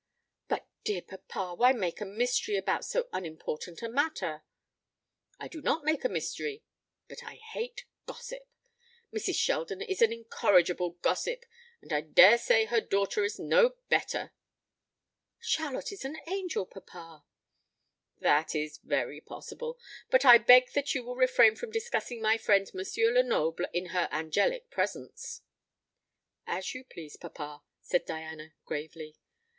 "But, dear papa, why make a mystery about so unimportant a matter. "I do not make a mystery; but I hate gossip. Mrs. Sheldon is an incorrigible gossip, and I daresay her daughter is no better." "Charlotte is an angel, papa." "That is very possible. But I beg that you will refrain from discussing my friend M. Lenoble in her angelic presence." "As you please, papa," said Diana gravely.